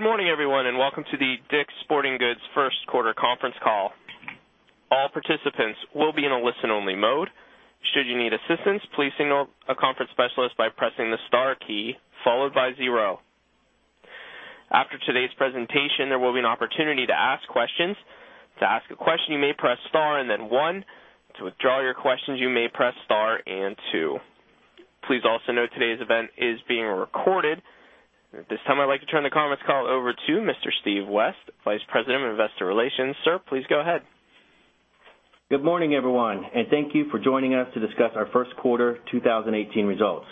Good morning, everyone, and welcome to the DICK'S Sporting Goods first quarter conference call. All participants will be in a listen-only mode. Should you need assistance, please signal a conference specialist by pressing the star, followed by 0. After today's presentation, there will be an opportunity to ask questions. To ask a question, you may press star and then 1. To withdraw your questions, you may press star and 2. Please also note today's event is being recorded. At this time, I'd like to turn the conference call over to Mr. Steve West, Vice President of Investor Relations. Sir, please go ahead. Good morning, everyone, and thank you for joining us to discuss our first quarter 2018 results.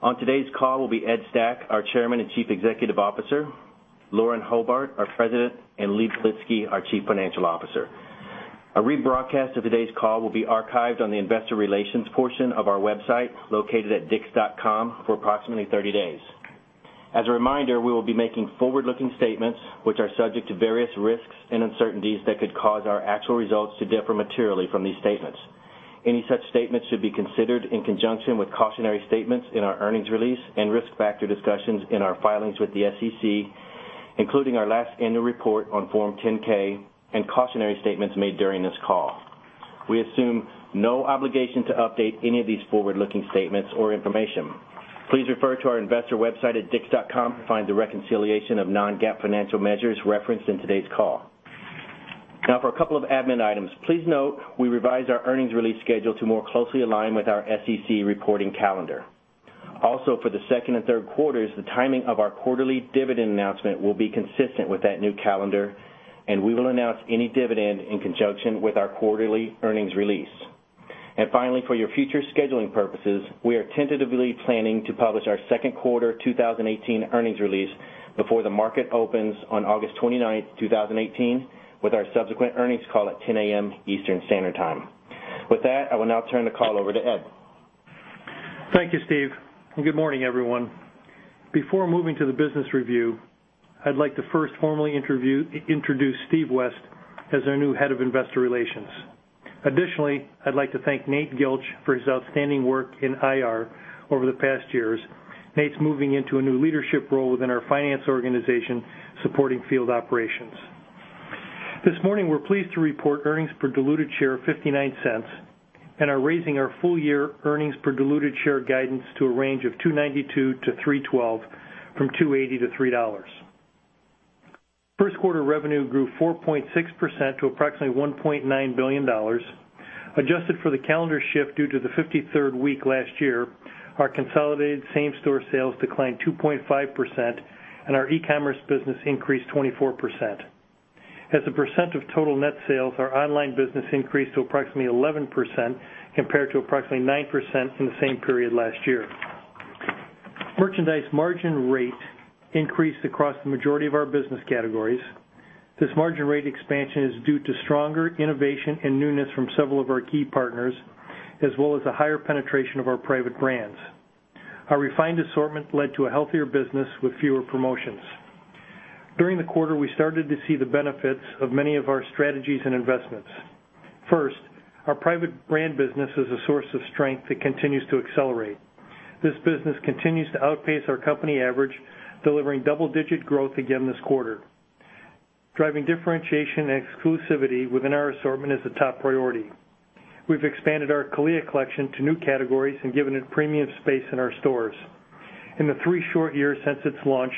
On today's call will be Ed Stack, our Chairman and Chief Executive Officer, Lauren Hobart, our President, and Lee Belitsky, our Chief Financial Officer. A rebroadcast of today's call will be archived on the investor relations portion of our website, located at dicks.com, for approximately 30 days. As a reminder, we will be making forward-looking statements which are subject to various risks and uncertainties that could cause our actual results to differ materially from these statements. Any such statements should be considered in conjunction with cautionary statements in our earnings release and risk factor discussions in our filings with the SEC, including our last annual report on Form 10-K and cautionary statements made during this call. We assume no obligation to update any of these forward-looking statements or information. Please refer to our investor website at dicks.com to find the reconciliation of non-GAAP financial measures referenced in today's call. Now for a couple of admin items. Please note we revised our earnings release schedule to more closely align with our SEC reporting calendar. Also, for the second and third quarters, the timing of our quarterly dividend announcement will be consistent with that new calendar, and we will announce any dividend in conjunction with our quarterly earnings release. Finally, for your future scheduling purposes, we are tentatively planning to publish our second quarter 2018 earnings release before the market opens on August 29th, 2018, with our subsequent earnings call at 10:00 A.M. Eastern Standard Time. With that, I will now turn the call over to Ed. Thank you, Steve. Good morning, everyone. Before moving to the business review, I'd like to first formally introduce Steve West as our new Head of Investor Relations. Additionally, I'd like to thank Nate Gilch for his outstanding work in IR over the past years. Nate's moving into a new leadership role within our finance organization, supporting field operations. This morning, we're pleased to report earnings per diluted share of $0.59 and are raising our full year earnings per diluted share guidance to a range of $2.92-$3.12 from $2.80-$3. First quarter revenue grew 4.6% to approximately $1.9 billion. Adjusted for the calendar shift due to the 53rd week last year, our consolidated same-store sales declined 2.5%, and our e-commerce business increased 24%. As a percent of total net sales, our online business increased to approximately 11%, compared to approximately 9% from the same period last year. Merchandise margin rate increased across the majority of our business categories. This margin rate expansion is due to stronger innovation and newness from several of our key partners, as well as the higher penetration of our private brands. Our refined assortment led to a healthier business with fewer promotions. During the quarter, we started to see the benefits of many of our strategies and investments. First, our private brand business is a source of strength that continues to accelerate. This business continues to outpace our company average, delivering double-digit growth again this quarter. Driving differentiation and exclusivity within our assortment is a top priority. We've expanded our CALIA collection to new categories and given it premium space in our stores. In the three short years since its launch,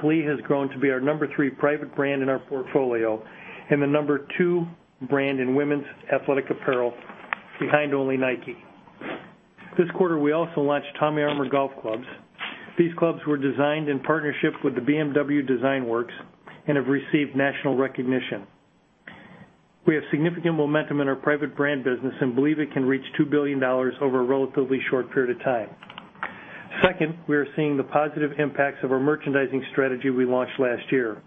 CALIA has grown to be our number 3 private brand in our portfolio and the number 2 brand in women's athletic apparel, behind only Nike. This quarter, we also launched Tommy Armour golf clubs. These clubs were designed in partnership with the BMW Designworks and have received national recognition. We have significant momentum in our private brand business and believe it can reach $2 billion over a relatively short period of time. Second, we are seeing the positive impacts of our merchandising strategy we launched last year.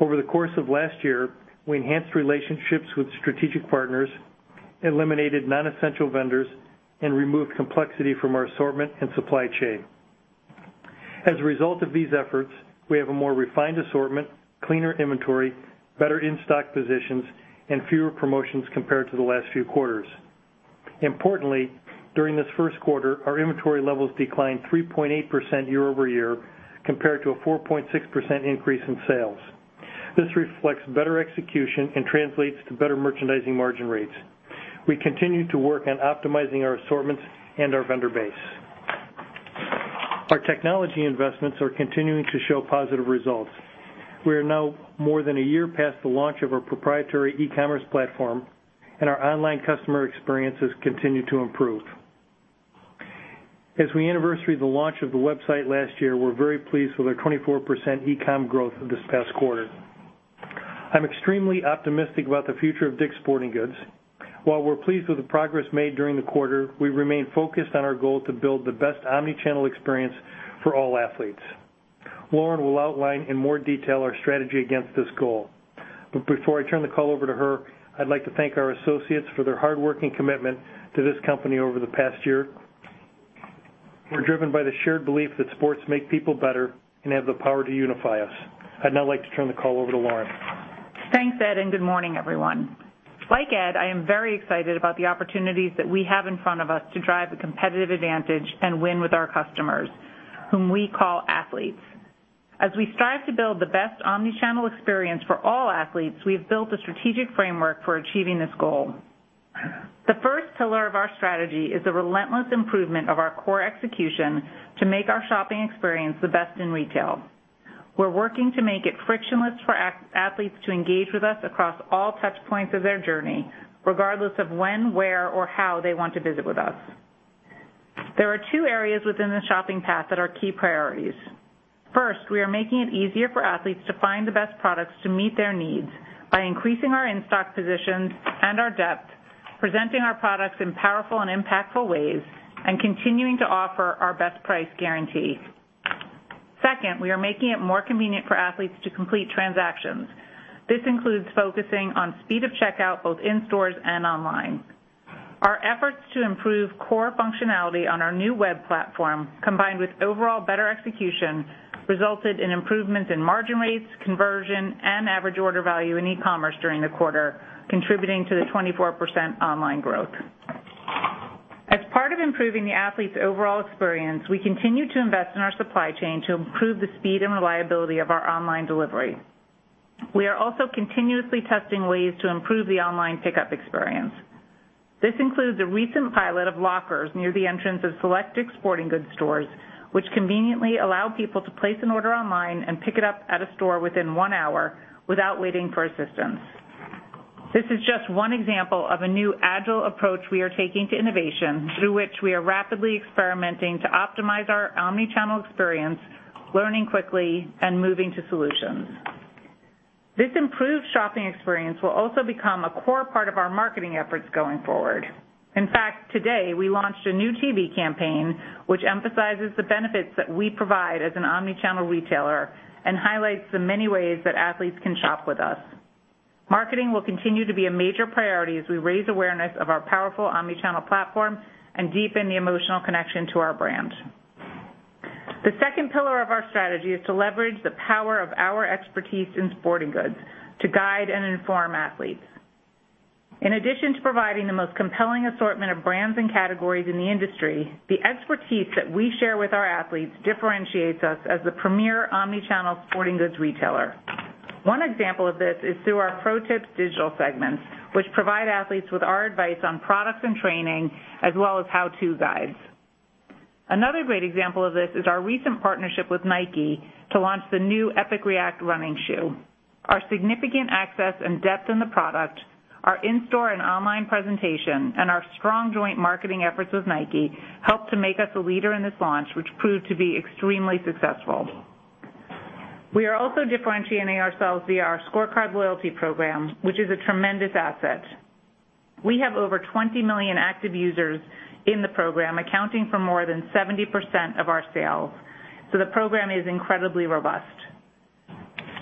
Over the course of last year, we enhanced relationships with strategic partners, eliminated non-essential vendors, and removed complexity from our assortment and supply chain. As a result of these efforts, we have a more refined assortment, cleaner inventory, better in-stock positions, and fewer promotions compared to the last few quarters. Importantly, during this first quarter, our inventory levels declined 3.8% year-over-year, compared to a 4.6% increase in sales. This reflects better execution and translates to better merchandising margin rates. We continue to work on optimizing our assortments and our vendor base. Our technology investments are continuing to show positive results. We are now more than a year past the launch of our proprietary e-commerce platform, and our online customer experiences continue to improve. As we anniversary the launch of the website last year, we're very pleased with our 24% e-com growth this past quarter. I'm extremely optimistic about the future of DICK'S Sporting Goods. While we're pleased with the progress made during the quarter, we remain focused on our goal to build the best omnichannel experience for all athletes. Lauren will outline in more detail our strategy against this goal. Before I turn the call over to her, I'd like to thank our associates for their hard work and commitment to this company over the past year. We're driven by the shared belief that sports make people better and have the power to unify us. I'd now like to turn the call over to Lauren. Thanks, Ed, and good morning, everyone. Like Ed, I am very excited about the opportunities that we have in front of us to drive a competitive advantage and win with our customers, whom we call athletes. As we strive to build the best omni-channel experience for all athletes, we have built a strategic framework for achieving this goal. The first pillar of our strategy is the relentless improvement of our core execution to make our shopping experience the best in retail. We're working to make it frictionless for athletes to engage with us across all touch points of their journey, regardless of when, where, or how they want to visit with us. There are two areas within the shopping path that are key priorities. First, we are making it easier for athletes to find the best products to meet their needs by increasing our in-stock positions and our depth, presenting our products in powerful and impactful ways, and continuing to offer our best price guarantee. Second, we are making it more convenient for athletes to complete transactions. This includes focusing on speed of checkout, both in stores and online. Our efforts to improve core functionality on our new web platform, combined with overall better execution, resulted in improvements in margin rates, conversion, and average order value in e-commerce during the quarter, contributing to the 24% online growth. As part of improving the athlete's overall experience, we continue to invest in our supply chain to improve the speed and reliability of our online delivery. We are also continuously testing ways to improve the online pickup experience. This includes a recent pilot of lockers near the entrance of select sporting goods stores, which conveniently allow people to place an order online and pick it up at a store within one hour without waiting for assistance. This is just one example of a new agile approach we are taking to innovation, through which we are rapidly experimenting to optimize our omni-channel experience, learning quickly and moving to solutions. This improved shopping experience will also become a core part of our marketing efforts going forward. In fact, today we launched a new TV campaign, which emphasizes the benefits that we provide as an omni-channel retailer and highlights the many ways that athletes can shop with us. Marketing will continue to be a major priority as we raise awareness of our powerful omni-channel platform and deepen the emotional connection to our brand. The second pillar of our strategy is to leverage the power of our expertise in sporting goods to guide and inform athletes. In addition to providing the most compelling assortment of brands and categories in the industry, the expertise that we share with our athletes differentiates us as the premier omni-channel sporting goods retailer. One example of this is through our pro-tip digital segments, which provide athletes with our advice on products and training, as well as how-to guides. Another great example of this is our recent partnership with Nike to launch the new Epic React running shoe. Our significant access and depth in the product, our in-store and online presentation, and our strong joint marketing efforts with Nike, helped to make us a leader in this launch, which proved to be extremely successful. We are also differentiating ourselves via our ScoreCard loyalty program, which is a tremendous asset. We have over 20 million active users in the program, accounting for more than 70% of our sales. The program is incredibly robust.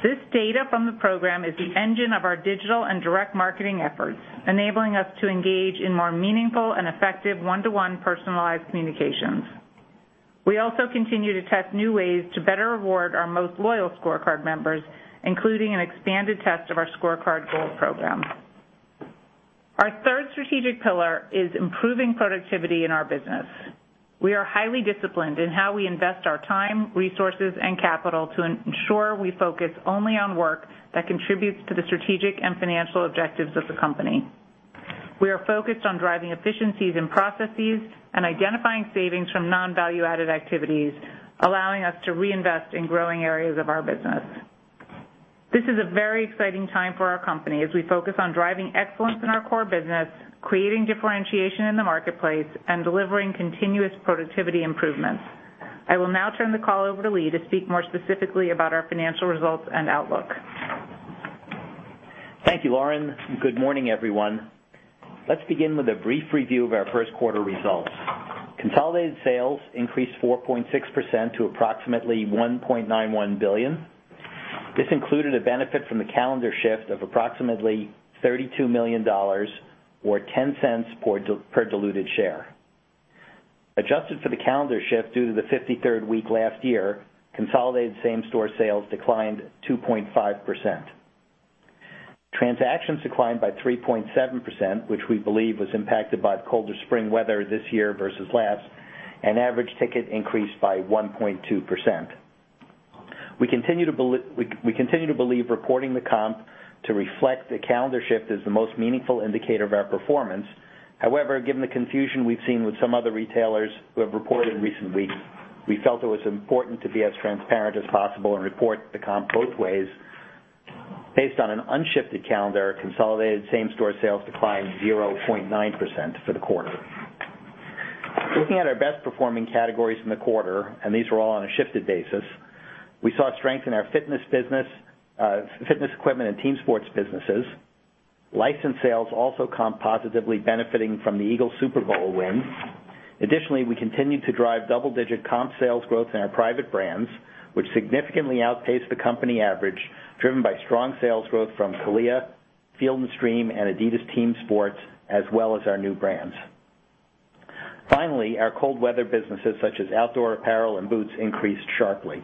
This data from the program is the engine of our digital and direct marketing efforts, enabling us to engage in more meaningful and effective one-to-one personalized communications. We also continue to test new ways to better reward our most loyal ScoreCard members, including an expanded test of our ScoreCard Gold program. Our third strategic pillar is improving productivity in our business. We are highly disciplined in how we invest our time, resources, and capital to ensure we focus only on work that contributes to the strategic and financial objectives of the company. We are focused on driving efficiencies in processes and identifying savings from non-value-added activities, allowing us to reinvest in growing areas of our business. This is a very exciting time for our company as we focus on driving excellence in our core business, creating differentiation in the marketplace, and delivering continuous productivity improvements. I will now turn the call over to Lee to speak more specifically about our financial results and outlook. Thank you, Lauren, and good morning, everyone. Let's begin with a brief review of our first quarter results. Consolidated sales increased 4.6% to approximately $1.91 billion. This included a benefit from the calendar shift of approximately $32 million, or $0.10 per diluted share. Adjusted for the calendar shift due to the 53rd week last year, consolidated same-store sales declined 2.5%. Transactions declined by 3.7%, which we believe was impacted by the colder spring weather this year versus last, and average ticket increased by 1.2%. We continue to believe reporting the comp to reflect the calendar shift is the most meaningful indicator of our performance. However, given the confusion we've seen with some other retailers who have reported in recent weeks, we felt it was important to be as transparent as possible and report the comp both ways. Based on an unshifted calendar, consolidated same-store sales declined 0.9% for the quarter. Looking at our best-performing categories in the quarter, and these were all on a shifted basis, we saw strength in our fitness equipment and team sports businesses. Licensed sales also comp positively benefiting from the Eagles Super Bowl win. Additionally, we continued to drive double-digit comp sales growth in our private brands, which significantly outpaced the company average, driven by strong sales growth from CALIA, Field & Stream, and Adidas Team Sports, as well as our new brands. Finally, our cold weather businesses such as outdoor apparel and boots increased sharply.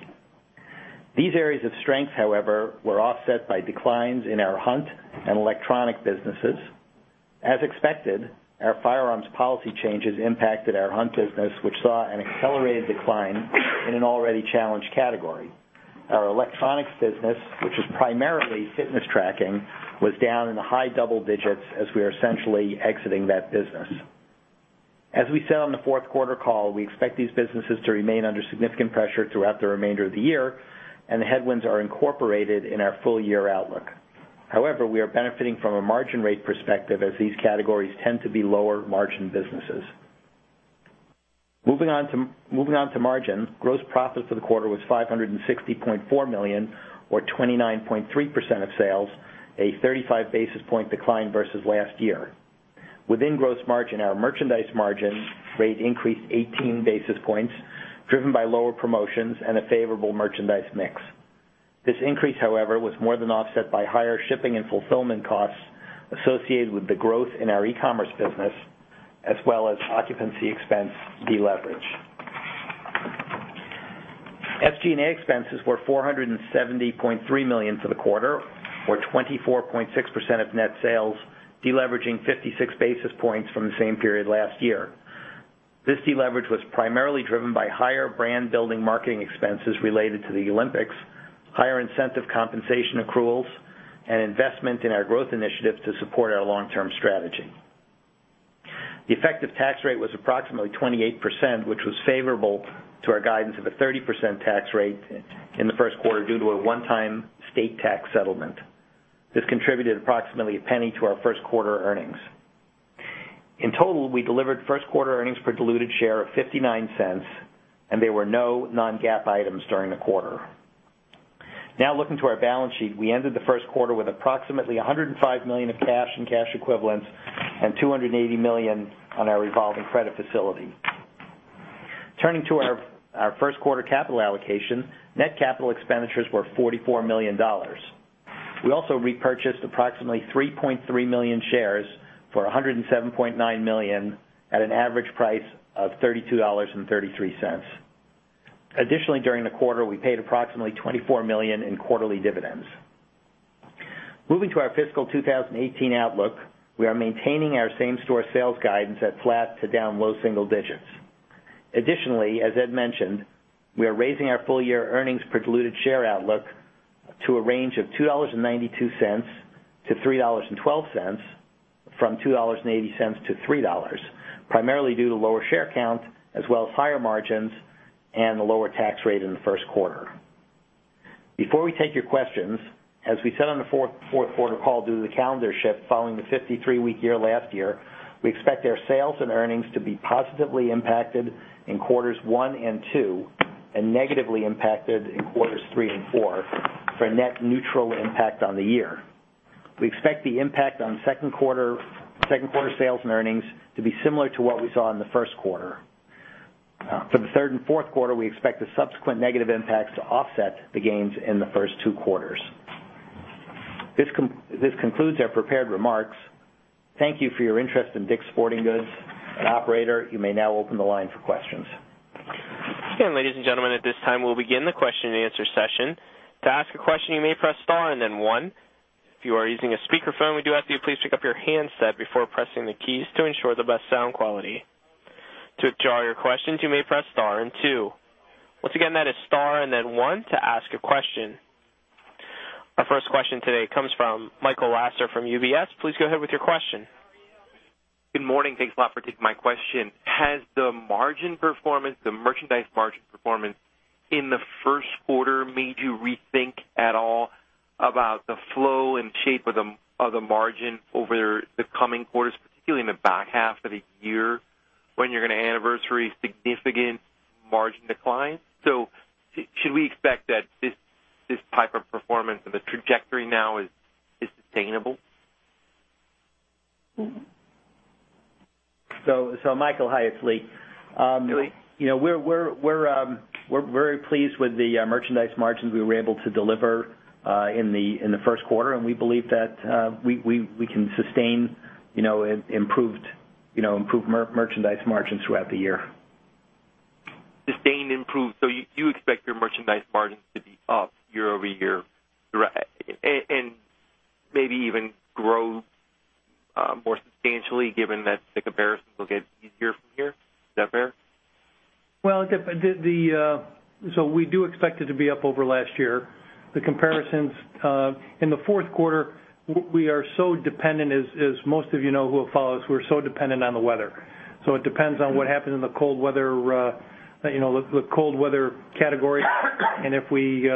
These areas of strength, however, were offset by declines in our hunt and electronic businesses. As expected, our firearms policy changes impacted our hunt business, which saw an accelerated decline in an already challenged category. Our electronics business, which is primarily fitness tracking, was down in the high double digits as we are essentially exiting that business. As we said on the fourth quarter call, we expect these businesses to remain under significant pressure throughout the remainder of the year, and the headwinds are incorporated in our full-year outlook. However, we are benefiting from a margin rate perspective as these categories tend to be lower margin businesses. Moving on to margin. Gross profit for the quarter was $560.4 million or 29.3% of sales, a 35-basis point decline versus last year. Within gross margin, our merchandise margin rate increased 18 basis points, driven by lower promotions and a favorable merchandise mix. This increase, however, was more than offset by higher shipping and fulfillment costs associated with the growth in our e-commerce business, as well as occupancy expense deleverage. SG&A expenses were $470.3 million for the quarter, or 24.6% of net sales, deleveraging 56 basis points from the same period last year. This deleverage was primarily driven by higher brand-building marketing expenses related to the Olympics, higher incentive compensation accruals, and investment in our growth initiatives to support our long-term strategy. The effective tax rate was approximately 28%, which was favorable to our guidance of a 30% tax rate in the first quarter due to a one-time state tax settlement. This contributed approximately $0.01 to our first quarter earnings. In total, we delivered first-quarter earnings per diluted share of $0.59, and there were no non-GAAP items during the quarter. Looking to our balance sheet. We ended the first quarter with approximately $105 million of cash and cash equivalents and $280 million on our revolving credit facility. Turning to our first quarter capital allocation, net capital expenditures were $44 million. We also repurchased approximately 3.3 million shares for $107.9 million at an average price of $32.33. Additionally, during the quarter, we paid approximately $24 million in quarterly dividends. Moving to our fiscal 2018 outlook. We are maintaining our same-store sales guidance at flat to down low single digits. Additionally, as Ed mentioned, we are raising our full-year earnings per diluted share outlook to a range of $2.92 to $3.12 from $2.80 to $3.00, primarily due to lower share count, as well as higher margins and the lower tax rate in the first quarter. Before we take your questions, as we said on the fourth quarter call, due to the calendar shift following the 53-week year last year, we expect our sales and earnings to be positively impacted in quarters 1 and 2 and negatively impacted in quarters 3 and 4 for a net neutral impact on the year. We expect the impact on second quarter sales and earnings to be similar to what we saw in the first quarter. For the third and fourth quarter, we expect the subsequent negative impact to offset the gains in the first 2 quarters. This concludes our prepared remarks. Thank you for your interest in DICK'S Sporting Goods. Operator, you may now open the line for questions. Again, ladies and gentlemen, at this time, we'll begin the question and answer session. To ask a question, you may press star and then 1. If you are using a speakerphone, we do ask that you please pick up your handset before pressing the keys to ensure the best sound quality. To withdraw your questions, you may press star and 2. Once again, that is star and then 1 to ask a question. Our first question today comes from Michael Lasser from UBS. Please go ahead with your question. Good morning. Thanks a lot for taking my question. Has the margin performance, the merchandise margin performance in the first quarter made you rethink at all about the flow and shape of the margin over the coming quarters, particularly in the back half of the year when you're going to anniversary significant margin declines? Should we expect that this type of performance and the trajectory now is sustainable? Michael, hi, it's Lee. Lee. We're very pleased with the merchandise margins we were able to deliver in the first quarter, and we believe that we can sustain improved merchandise margins throughout the year. Sustain improved. You expect your merchandise margins to be up year-over-year, and maybe even grow more substantially given that the comparison will get easier from here. Is that fair? We do expect it to be up over last year. The comparisons. In the fourth quarter, we are so dependent, as most of you know who follow us, we're so dependent on the weather. It depends on what happens in the cold weather category, and if we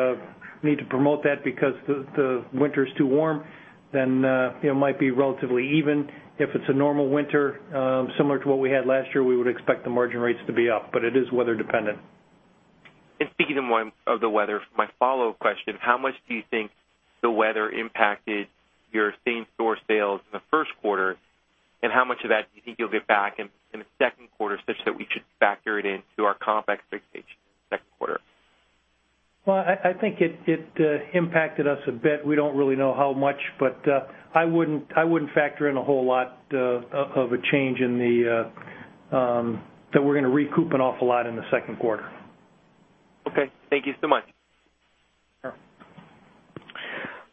need to promote that because the winter's too warm, then it might be relatively even. If it's a normal winter, similar to what we had last year, we would expect the margin rates to be up. It is weather dependent. Speaking of the weather, for my follow-up question, how much do you think the weather impacted your same-store sales in the first quarter, and how much of that do you think you'll get back in the second quarter such that we should factor it into our comp expectations second quarter? I think it impacted us a bit. We don't really know how much, but I wouldn't factor in a whole lot of a change that we're going to recoup an awful lot in the second quarter. Okay. Thank you so much.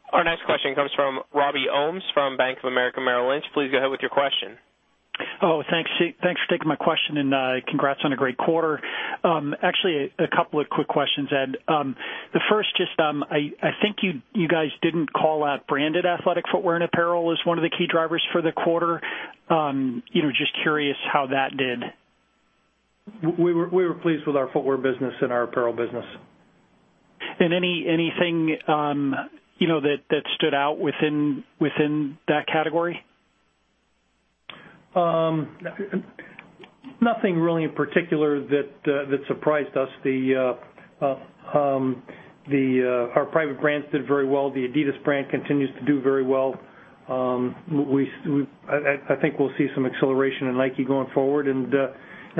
Sure. Our next question comes from Robert Ohmes from Bank of America Merrill Lynch. Please go ahead with your question. Oh, thanks for taking my question, and congrats on a great quarter. Actually, a couple of quick questions, Ed. The first, I think you guys didn't call out branded athletic footwear and apparel as one of the key drivers for the quarter. Just curious how that did. We were pleased with our footwear business and our apparel business. Anything that stood out within that category? Nothing really in particular that surprised us. Our private brands did very well. The Adidas brand continues to do very well. I think we'll see some acceleration in Nike going forward.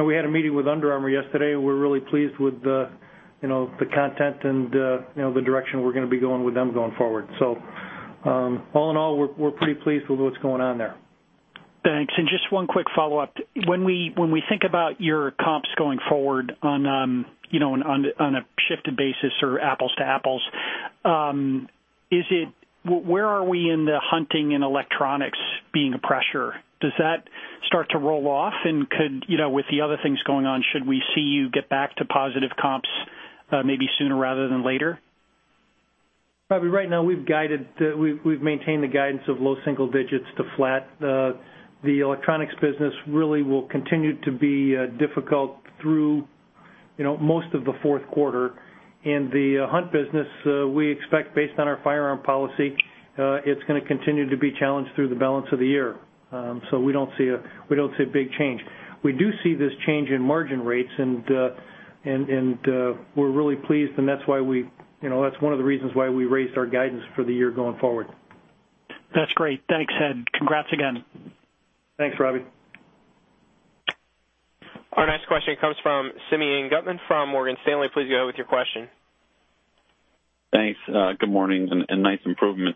We had a meeting with Under Armour yesterday. We're really pleased with the content and the direction we're gonna be going with them going forward. All in all, we're pretty pleased with what's going on there. Thanks. Just one quick follow-up. When we think about your comps going forward on a shifted basis or apples to apples, where are we in the hunting and electronics being a pressure? Does that start to roll off? With the other things going on, should we see you get back to positive comps maybe sooner rather than later? Robbie, right now, we've maintained the guidance of low single digits to flat. The electronics business really will continue to be difficult through most of the fourth quarter. The hunt business, we expect, based on our firearm policy, it's gonna continue to be challenged through the balance of the year. We don't see a big change. We do see this change in margin rates, and we're really pleased, and that's one of the reasons why we raised our guidance for the year going forward. That's great. Thanks, Ed. Congrats again. Thanks, Robbie. Our next question comes from Simeon Gutman from Morgan Stanley. Please go ahead with your question. Thanks. Good morning, and nice improvement.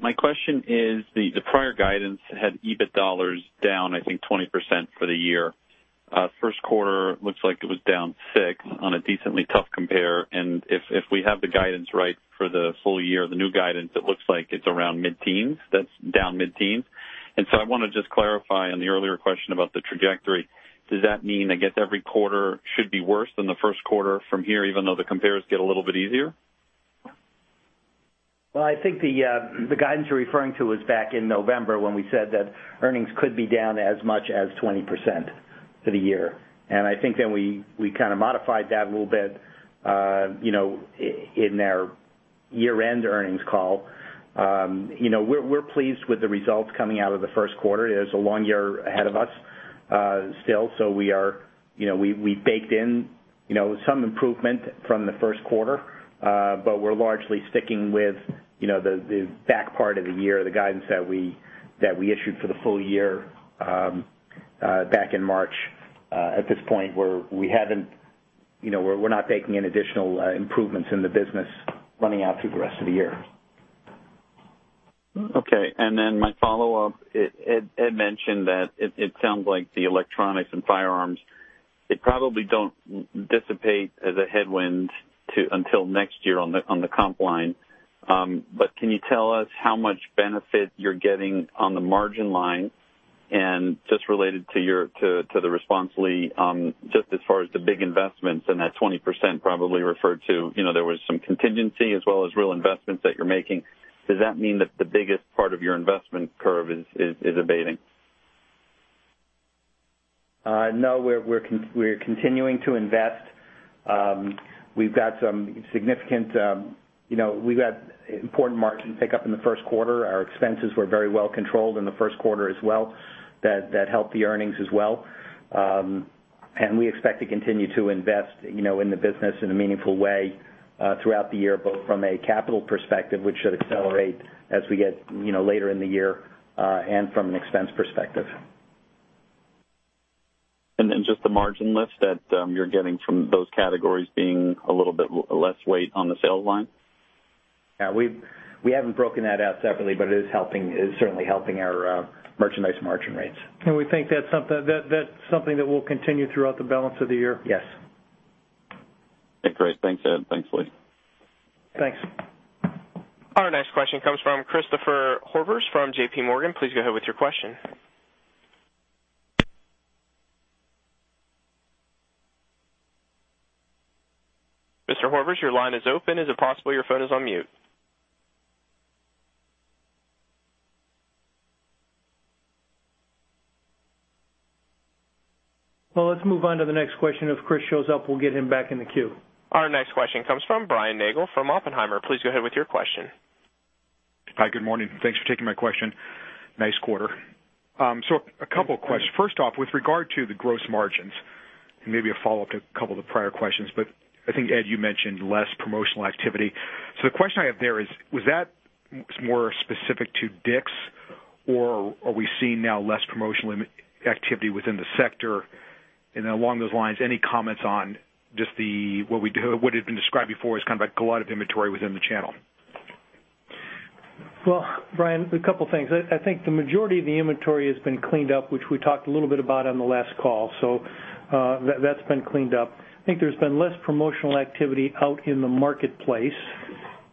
My question is, the prior guidance had EBIT dollars down, I think, 20% for the year. First quarter looks like it was down 6% on a decently tough compare. If we have the guidance right for the full year, the new guidance, it looks like it's around mid-teens. That's down mid-teens. I want to just clarify on the earlier question about the trajectory. Does that mean, I guess, every quarter should be worse than the first quarter from here, even though the compares get a little bit easier? I think the guidance you're referring to was back in November when we said that earnings could be down as much as 20% for the year. I think then we kind of modified that a little bit in our year-end earnings call. We're pleased with the results coming out of the first quarter. There's a long year ahead of us still, so we baked in some improvement from the first quarter. We're largely sticking with the back part of the year, the guidance that we issued for the full year back in March. At this point, we're not baking in additional improvements in the business running out through the rest of the year. My follow-up. Ed mentioned that it sounds like the electronics and firearms, they probably don't dissipate as a headwind until next year on the comp line. Can you tell us how much benefit you're getting on the margin line? Just related to the response, Lee, just as far as the big investments and that 20% probably referred to. There was some contingency as well as real investments that you're making. Does that mean that the biggest part of your investment curve is abating? We're continuing to invest. We've got important margin pickup in the first quarter. Our expenses were very well controlled in the first quarter as well. That helped the earnings as well. We expect to continue to invest in the business in a meaningful way throughout the year, both from a capital perspective, which should accelerate as we get later in the year, and from an expense perspective. Just the margin lift that you're getting from those categories being a little bit less weight on the sales line? We haven't broken that out separately, but it is certainly helping our merchandise margin rates. We think that's something that will continue throughout the balance of the year. Yes. Great. Thanks, Ed. Thanks, Lee. Thanks. Our next question comes from Christopher Horvers from JPMorgan. Please go ahead with your question. Mr. Horvers, your line is open. Is it possible your phone is on mute? Well, let's move on to the next question. If Chris shows up, we'll get him back in the queue. Our next question comes from Brian Nagel from Oppenheimer. Please go ahead with your question. Hi, good morning. Thanks for taking my question. Nice quarter. A couple of questions. First off, with regard to the gross margins, and maybe a follow-up to a couple of the prior questions, but I think, Ed, you mentioned less promotional activity. The question I have there is, was that more specific to DICK'S? Or are we seeing now less promotional activity within the sector? And then along those lines, any comments on just what had been described before as kind of a glut of inventory within the channel? Well, Brian, a couple things. I think the majority of the inventory has been cleaned up, which we talked a little bit about on the last call. That's been cleaned up. I think there's been less promotional activity out in the marketplace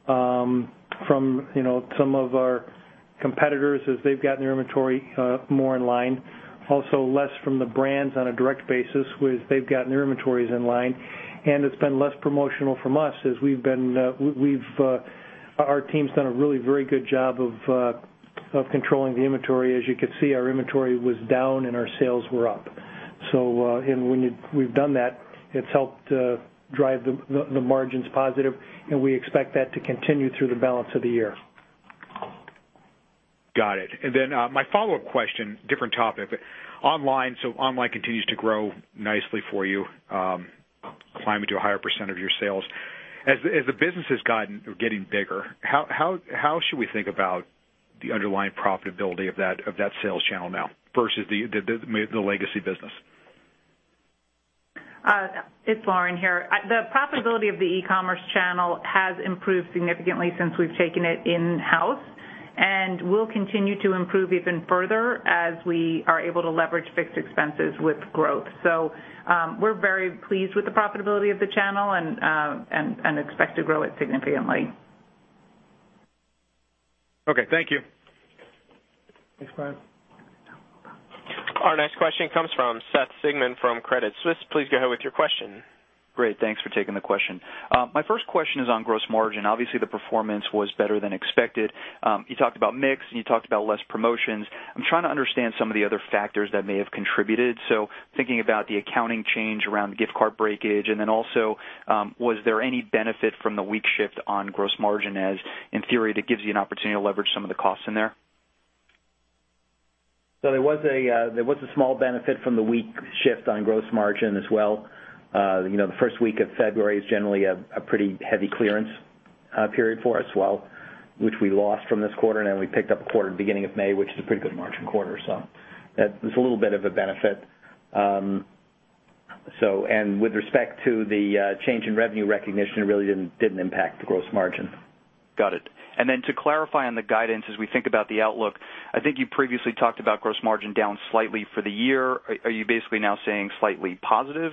from some of our competitors as they've gotten their inventory more in line. Also less from the brands on a direct basis, as they've gotten their inventories in line. It's been less promotional from us as our team's done a really very good job of controlling the inventory. As you can see, our inventory was down, and our sales were up. When we've done that, it's helped drive the margins positive, and we expect that to continue through the balance of the year. Got it. My follow-up question, different topic. Online. Online continues to grow nicely for you, climbing to a higher % of your sales. As the business is getting bigger, how should we think about the underlying profitability of that sales channel now versus the legacy business? It's Lauren here. The profitability of the e-commerce channel has improved significantly since we've taken it in-house and will continue to improve even further as we are able to leverage fixed expenses with growth. We're very pleased with the profitability of the channel and expect to grow it significantly. Okay. Thank you. Thanks, Brian. Our next question comes from Seth Sigman from Credit Suisse. Please go ahead with your question. Great. Thanks for taking the question. My first question is on gross margin. Obviously, the performance was better than expected. You talked about mix, and you talked about less promotions. I'm trying to understand some of the other factors that may have contributed. Thinking about the accounting change around gift card breakage, and then also, was there any benefit from the week shift on gross margin, as in theory, that gives you an opportunity to leverage some of the costs in there? There was a small benefit from the week shift on gross margin as well. The first week of February is generally a pretty heavy clearance period for us, which we lost from this quarter. Then we picked up a quarter beginning of May, which is a pretty good margin quarter. That was a little bit of a benefit. With respect to the change in revenue recognition, it really didn't impact the gross margin. Got it. Then to clarify on the guidance, as we think about the outlook, I think you previously talked about gross margin down slightly for the year. Are you basically now saying slightly positive?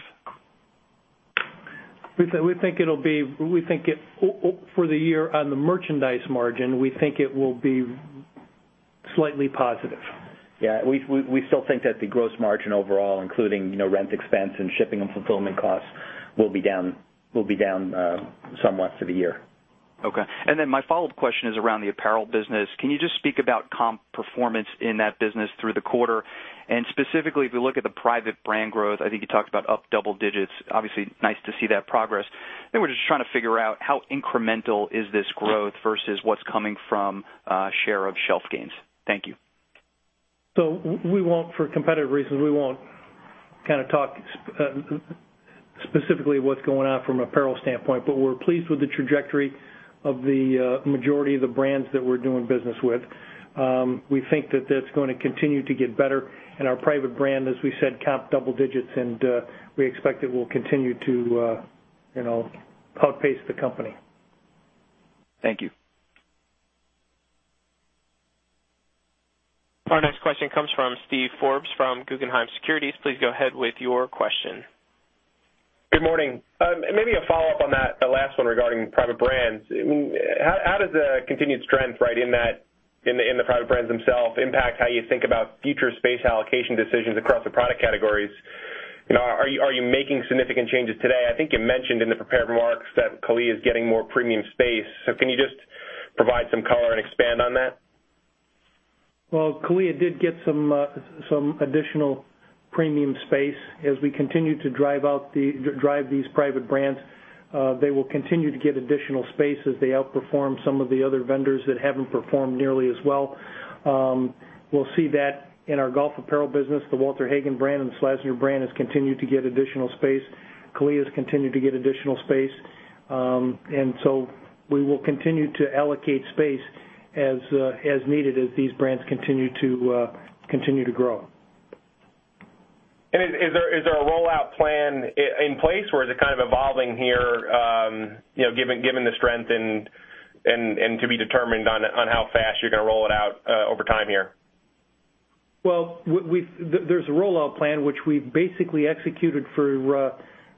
We think for the year on the merchandise margin, we think it will be slightly positive. Yeah. We still think that the gross margin overall, including rent expense and shipping and fulfillment costs, will be down somewhat for the year. Okay. My follow-up question is around the apparel business. Can you just speak about comp performance in that business through the quarter? Specifically, if we look at the private brand growth, I think you talked about up double digits. Obviously, nice to see that progress. We're just trying to figure out how incremental is this growth versus what's coming from share of shelf gains. Thank you. For competitive reasons, we won't talk specifically what's going on from apparel standpoint, but we're pleased with the trajectory of the majority of the brands that we're doing business with. We think that that's going to continue to get better. Our private brand, as we said, comp double digits, and we expect it will continue to outpace the company. Thank you. Our next question comes from Steven Forbes from Guggenheim Securities. Please go ahead with your question. Good morning. Maybe a follow-up on that last one regarding private brands. How does the continued strength in the private brands themselves impact how you think about future space allocation decisions across the product categories? Are you making significant changes today? I think you mentioned in the prepared remarks that CALIA is getting more premium space. Can you just provide some color and expand on that? Well, CALIA did get some additional premium space. As we continue to drive these private brands, they will continue to get additional space as they outperform some of the other vendors that haven't performed nearly as well. We'll see that in our golf apparel business. The Walter Hagen brand and the Slazenger brand has continued to get additional space. CALIA has continued to get additional space. We will continue to allocate space as needed as these brands continue to grow. Is there a rollout plan in place, or is it kind of evolving here given the strength and to be determined on how fast you're going to roll it out over time here? Well, there's a rollout plan which we basically executed for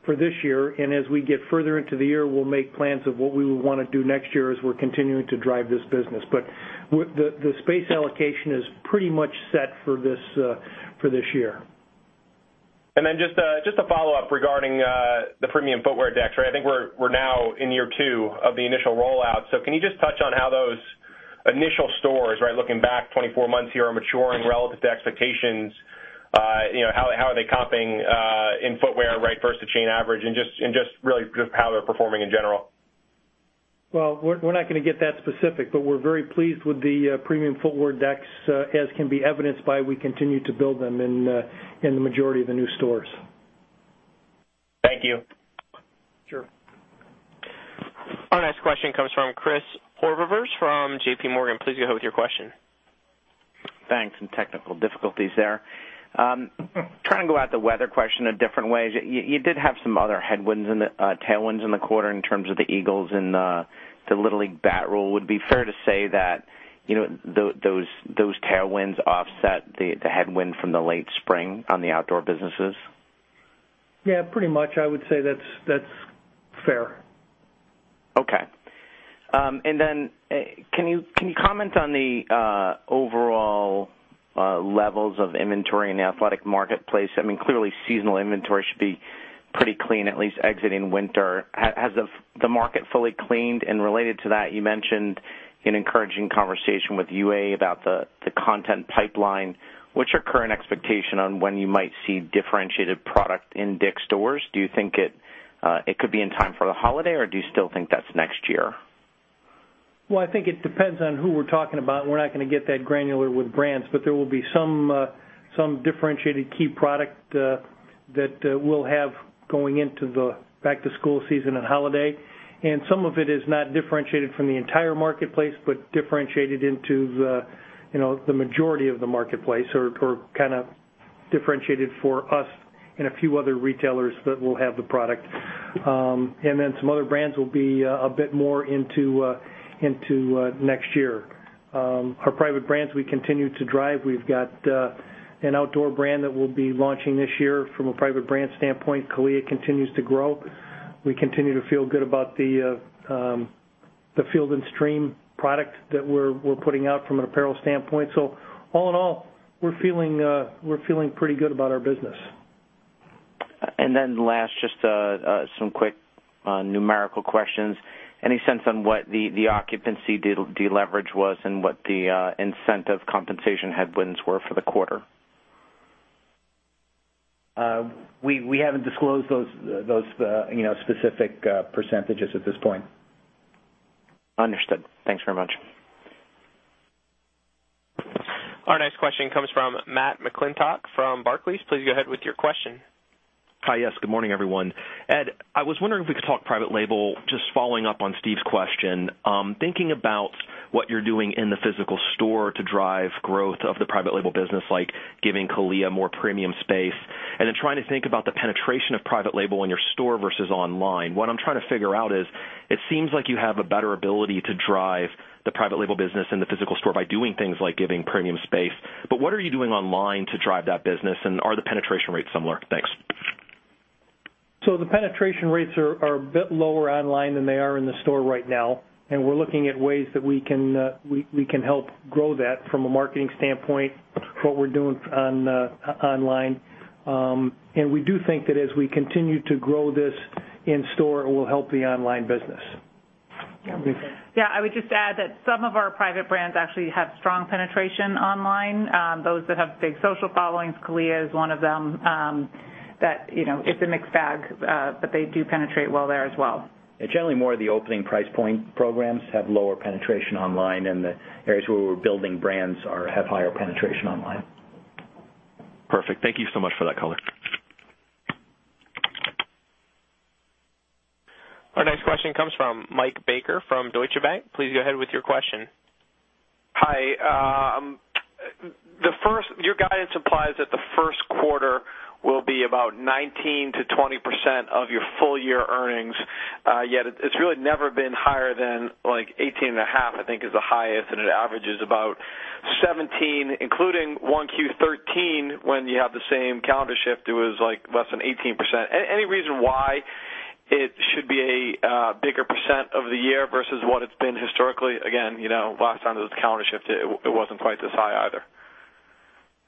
this year. As we get further into the year, we'll make plans of what we will want to do next year as we're continuing to drive this business. The space allocation is pretty much set for this year. Just a follow-up regarding the premium footwear decks. I think we're now in year two of the initial rollout. Can you just touch on how those initial stores, looking back 24 months here, are maturing relative to expectations? How are they comping in footwear versus the chain average and just really just how they're performing in general? Well, we're not going to get that specific, we're very pleased with the premium footwear decks, as can be evidenced by we continue to build them in the majority of the new stores. Thank you. Sure. Question comes from Chris Horvers from JPMorgan. Please go ahead with your question. Thanks. Some technical difficulties there. Trying to go at the weather question a different way. You did have some other headwinds, tailwinds in the quarter in terms of the Eagles and the Little League bat rule. Would it be fair to say that those tailwinds offset the headwind from the late spring on the outdoor businesses? Yeah, pretty much. I would say that's fair. Okay. Then, can you comment on the overall levels of inventory in the athletic marketplace? Clearly, seasonal inventory should be pretty clean, at least exiting winter. Has the market fully cleaned? Related to that, you mentioned an encouraging conversation with UA about the content pipeline. What's your current expectation on when you might see differentiated product in DICK'S stores? Do you think it could be in time for the Holiday, or do you still think that's next year? Well, I think it depends on who we're talking about. We're not going to get that granular with brands, but there will be some differentiated key product that we'll have going into the back-to-school season and Holiday. Some of it is not differentiated from the entire marketplace, but differentiated into the majority of the marketplace, or kind of differentiated for us and a few other retailers that will have the product. Some other brands will be a bit more into next year. Our private brands, we continue to drive. We've got an outdoor brand that we'll be launching this year from a private brand standpoint. CALIA continues to grow. We continue to feel good about the Field & Stream product that we're putting out from an apparel standpoint. All in all, we're feeling pretty good about our business. Last, just some quick numerical questions. Any sense on what the occupancy deleverage was and what the incentive compensation headwinds were for the quarter? We haven't disclosed those specific percentages at this point. Understood. Thanks very much. Our next question comes from Matthew McClintock from Barclays. Please go ahead with your question. Hi, yes. Good morning, everyone. Ed, I was wondering if we could talk private label, just following up on Steve's question. Thinking about what you're doing in the physical store to drive growth of the private label business, like giving CALIA more premium space, and then trying to think about the penetration of private label in your store versus online. What I'm trying to figure out is, it seems like you have a better ability to drive the private label business in the physical store by doing things like giving premium space. What are you doing online to drive that business, and are the penetration rates similar? Thanks. The penetration rates are a bit lower online than they are in the store right now, and we're looking at ways that we can help grow that from a marketing standpoint, what we're doing online. We do think that as we continue to grow this in store, it will help the online business. I would just add that some of our private brands actually have strong penetration online. Those that have big social followings, CALIA is one of them. It's a mixed bag, but they do penetrate well there as well. Generally more of the opening price point programs have lower penetration online, and the areas where we're building brands have higher penetration online. Perfect. Thank you so much for that color. Our next question comes from Michael Baker from Deutsche Bank. Please go ahead with your question. Hi. Your guidance implies that the first quarter will be about 19%-20% of your full year earnings. Yet it's really never been higher than, like, 18.5%, I think is the highest, and it averages about 17%, including 1Q 2013, when you had the same calendar shift, it was less than 18%. Any reason why it should be a bigger % of the year versus what it's been historically? Again, last time there was a calendar shift, it wasn't quite this high either.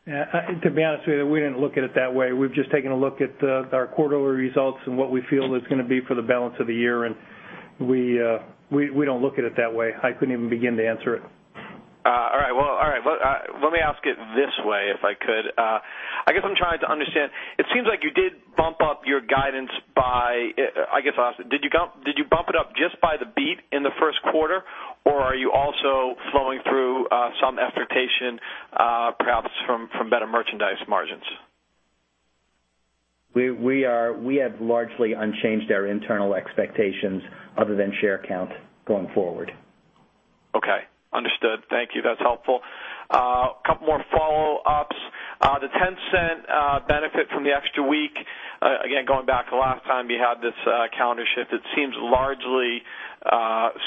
To be honest with you, we didn't look at it that way. We've just taken a look at our quarterly results and what we feel is going to be for the balance of the year, we don't look at it that way. I couldn't even begin to answer it. All right. Well, let me ask it this way, if I could. I guess I'm trying to understand. It seems like you did bump up your guidance. I guess I'll ask, did you bump it up just by the beat in the first quarter, or are you also flowing through some expectation, perhaps from better merchandise margins? We have largely unchanged our internal expectations other than share count going forward. Okay. Understood. Thank you. That's helpful. A couple more follow-ups. The $0.10 benefit from the extra week, again, going back to last time you had this calendar shift, it seems largely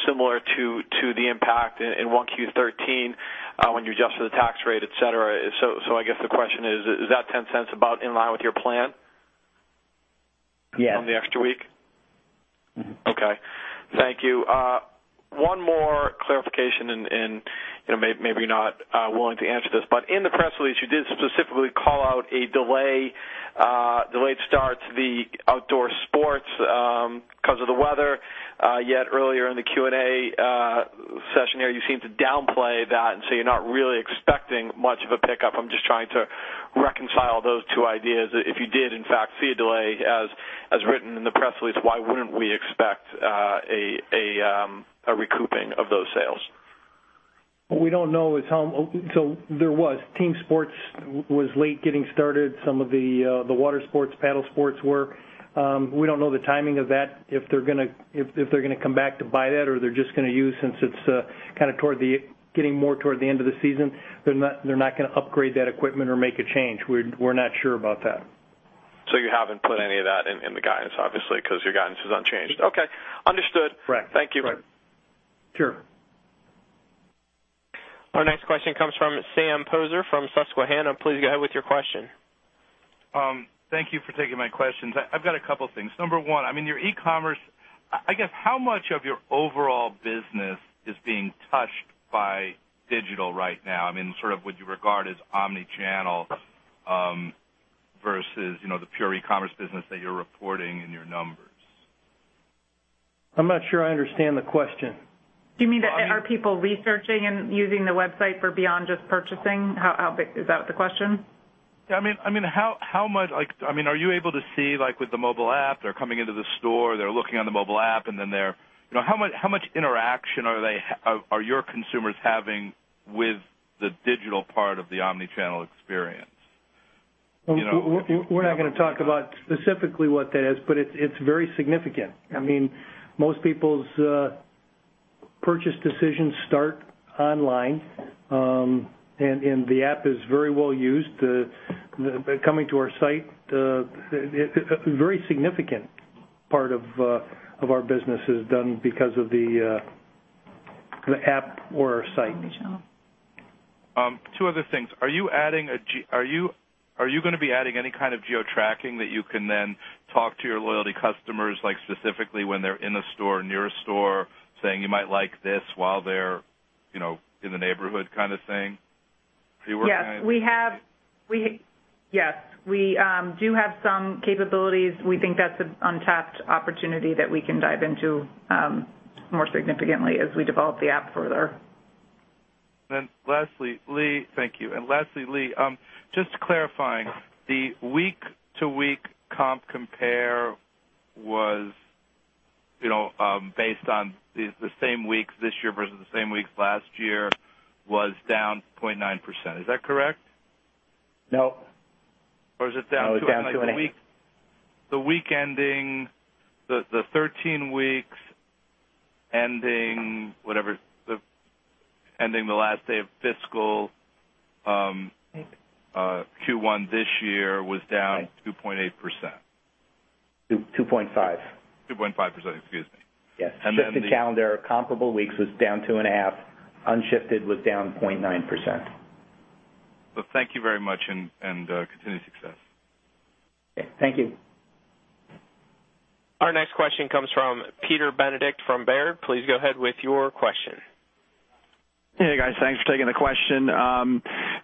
similar to the impact in 1Q 2013 when you adjusted the tax rate, et cetera. I guess the question is that $0.10 about in line with your plan? Yes. From the extra week? Okay. Thank you. One more clarification, and maybe you're not willing to answer this, but in the press release, you did specifically call out a delayed start to the outdoor sports because of the weather. Earlier in the Q&A session here, you seemed to downplay that and say you're not really expecting much of a pickup. I'm just trying to reconcile those two ideas. If you did in fact see a delay as written in the press release, why wouldn't we expect a recouping of those sales? What we don't know is there was. Team sports was late getting started. Some of the water sports, paddle sports were. We don't know the timing of that, if they're going to come back to buy that or they're just going to use, since it's getting more toward the end of the season, they're not going to upgrade that equipment or make a change. We're not sure about that. You haven't put any of that in the guidance, obviously, because your guidance is unchanged. Okay. Understood. Correct. Thank you. Right. Sure. Our next question comes from Sam Poser from Susquehanna. Please go ahead with your question. Thank you for taking my questions. I've got a couple of things. Number one, your e-commerce. How much of your overall business is being touched by digital right now? Sort of what you regard as omni-channel versus the pure e-commerce business that you're reporting in your numbers. I'm not sure I understand the question. Do you mean are people researching and using the website for beyond just purchasing? Is that the question? Yeah. Are you able to see, with the mobile app, they're coming into the store, they're looking on the mobile app? How much interaction are your consumers having with the digital part of the omni-channel experience? We're not going to talk about specifically what that is, but it's very significant. Most people's purchase decisions start online. The app is very well used. Coming to our site, a very significant part of our business is done because of the app or our site. Omni-channel. Two other things. Are you going to be adding any kind of geo-tracking that you can then talk to your loyalty customers, specifically when they're in a store, near a store, saying, "You might like this," while they're in the neighborhood kind of thing? Are you working on anything like that? Yes. We do have some capabilities. We think that's an untapped opportunity that we can dive into more significantly as we develop the app further. Thank you. Lastly, Lee, just clarifying. The week-to-week comp compare based on the same weeks this year versus the same weeks last year was down 2.9%. Is that correct? No. Is it down two and a half? No, it's down two and a half. The 13 weeks ending the last day of fiscal Q1 this year was down 2.8%. 2.5. 2.5%, excuse me. Yes. And then the- Shifted calendar comparable weeks was down 2.5%. Unshifted was down 0.9%. Thank you very much, and continued success. Okay. Thank you. Our next question comes from Peter Benedict from Baird. Please go ahead with your question. Hey, guys. Thanks for taking the question.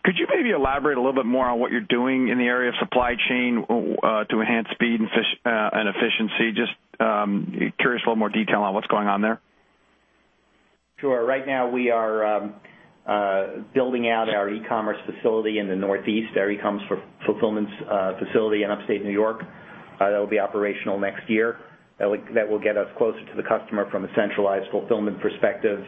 Could you maybe elaborate a little bit more on what you're doing in the area of supply chain to enhance speed and efficiency? Just curious a little more detail on what's going on there. Sure. Right now, we are building out our e-commerce facility in the Northeast, our e-commerce fulfillment facility in Upstate New York. That will be operational next year. That will get us closer to the customer from a centralized fulfillment perspective.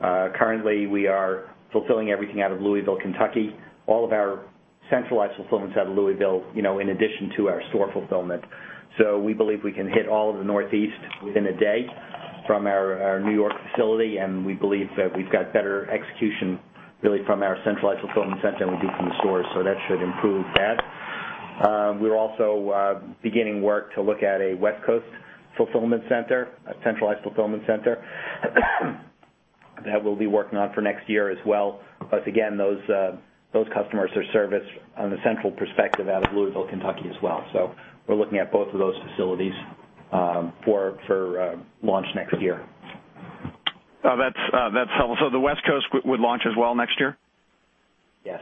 Currently, we are fulfilling everything out of Louisville, Kentucky. All of our centralized fulfillment is out of Louisville, in addition to our store fulfillment. We believe we can hit all of the Northeast within a day from our New York facility, and we believe that we've got better execution, really, from our centralized fulfillment center than we do from the stores. That should improve that. We're also beginning work to look at a West Coast fulfillment center, a centralized fulfillment center that we'll be working on for next year as well. Again, those customers are serviced on a central perspective out of Louisville, Kentucky as well. We're looking at both of those facilities for launch next year. The West Coast would launch as well next year? Yes.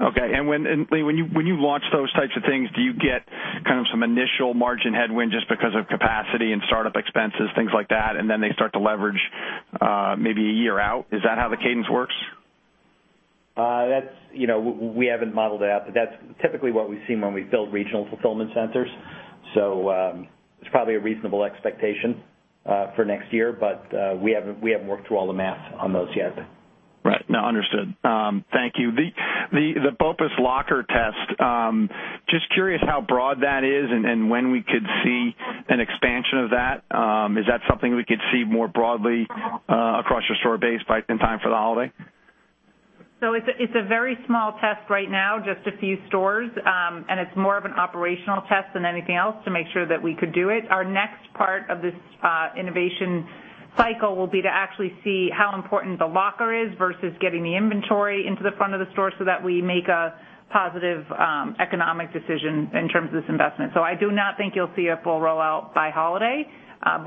Okay. Lee, when you launch those types of things, do you get some initial margin headwind just because of capacity and startup expenses, things like that, and then they start to leverage maybe a year out? Is that how the cadence works? We haven't modeled it out, but that's typically what we've seen when we build regional fulfillment centers. It's probably a reasonable expectation for next year, but we haven't worked through all the math on those yet. Right. No, understood. Thank you. The BOPIS locker test. Just curious how broad that is and when we could see an expansion of that. Is that something we could see more broadly across your store base in time for the holiday? It's a very small test right now, just a few stores. It's more of an operational test than anything else to make sure that we could do it. Our next part of this innovation cycle will be to actually see how important the locker is versus getting the inventory into the front of the store so that we make a positive economic decision in terms of this investment. I do not think you'll see a full rollout by holiday.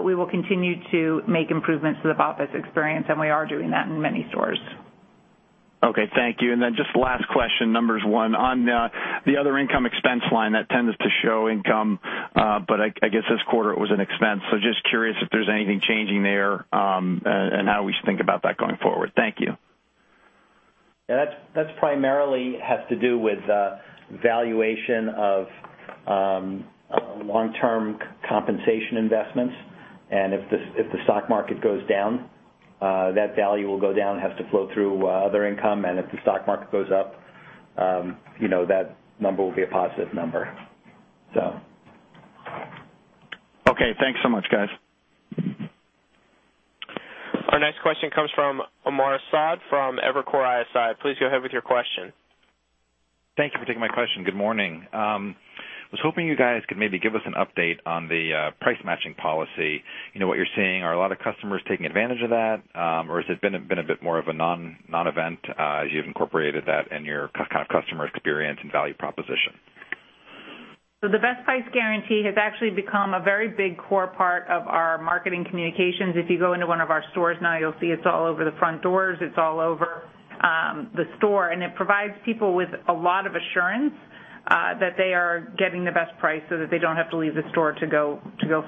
We will continue to make improvements to the BOPIS experience, and we are doing that in many stores. Okay. Thank you. Just last question, numbers one. On the other income expense line that tends to show income. I guess this quarter it was an expense. Just curious if there's anything changing there, and how we should think about that going forward. Thank you. Yeah, that primarily has to do with the valuation of long-term compensation investments. If the stock market goes down, that value will go down and has to flow through other income. If the stock market goes up, that number will be a positive number. Okay. Thanks so much, guys. Our next question comes from Omar Saad from Evercore ISI. Please go ahead with your question. Thank you for taking my question. Good morning. I was hoping you guys could maybe give us an update on the price matching policy. What you're seeing, are a lot of customers taking advantage of that, or has it been a bit more of a non-event as you've incorporated that in your customer experience and value proposition? The best price guarantee has actually become a very big core part of our marketing communications. If you go into one of our stores now, you'll see it's all over the front doors. It's all over the store. It provides people with a lot of assurance that they are getting the best price so that they don't have to leave the store to go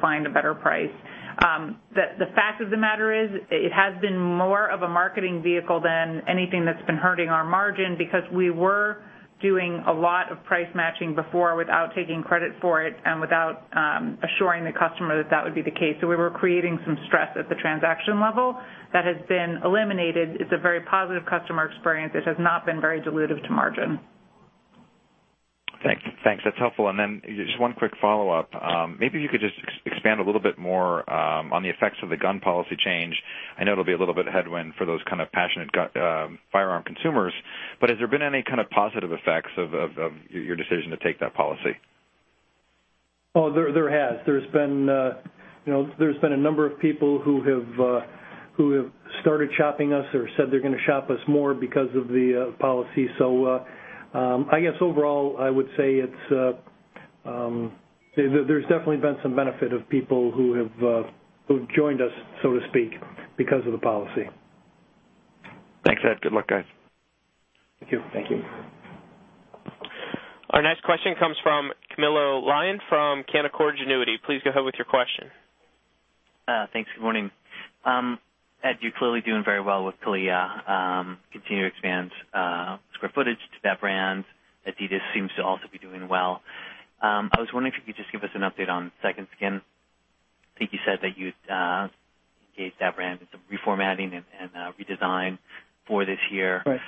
find a better price. The fact of the matter is, it has been more of a marketing vehicle than anything that's been hurting our margin because we were doing a lot of price matching before without taking credit for it and without assuring the customer that would be the case. We were creating some stress at the transaction level that has been eliminated. It's a very positive customer experience. It has not been very dilutive to margin. Thanks. That's helpful. Just one quick follow-up. Maybe you could just expand a little bit more on the effects of the gun policy change. I know it'll be a little bit of headwind for those kind of passionate firearm consumers, but has there been any kind of positive effects of your decision to take that policy? There has. There's been a number of people who have started shopping us or said they're going to shop us more because of the policy. I guess overall, I would say there's definitely been some benefit of people who have joined us, so to speak, because of the policy. Thanks, Ed. Good luck, guys. Thank you. Thank you. Our next question comes from Camilo Lyon from Canaccord Genuity. Please go ahead with your question. Thanks. Good morning. Ed, you're clearly doing very well with CALIA. Continue to expand square footage to that brand. Adidas seems to also be doing well. I was wondering if you could just give us an update on Second Skin. I think you said that you'd engage that brand in some reformatting and redesign for this year. Right.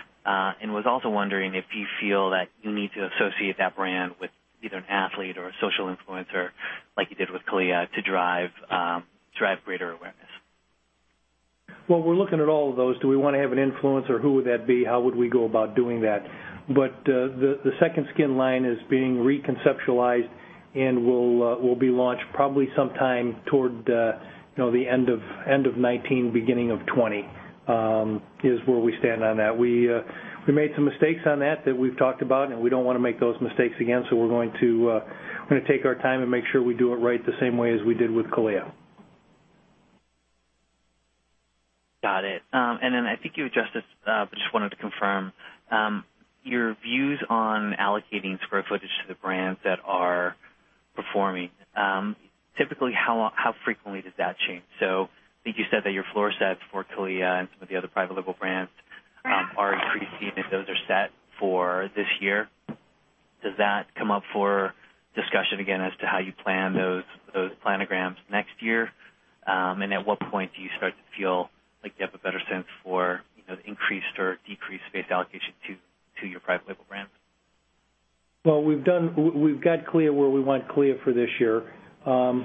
Was also wondering if you feel that you need to associate that brand with either an athlete or a social influencer like you did with CALIA to drive greater awareness. Well, we're looking at all of those. Do we want to have an influencer? Who would that be? How would we go about doing that? The Second Skin line is being reconceptualized and will be launched probably sometime toward the end of 2019, beginning of 2020, is where we stand on that. We made some mistakes on that that we've talked about, and we don't want to make those mistakes again. We're going to take our time and make sure we do it right the same way as we did with CALIA. Got it. I think you addressed this, but just wanted to confirm. Your views on allocating square footage to the brands that are performing. Typically, how frequently does that change? I think you said that your floor sets for CALIA and some of the other private label brands are increasing, and those are set for this year. Does that come up for discussion again as to how you plan those planograms next year? At what point do you start to feel like you have a better sense for the increased or decreased space allocation to your private label brands? Well, we've got CALIA where we want CALIA for this year.